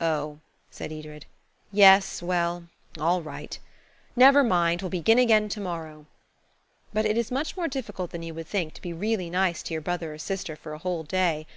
"Oh," said Edred. "Yes–well–all right. Never mind. We'll begin again to morrow." But it is much more difficult than you would think to be really nice to your brother or sister for a whole day.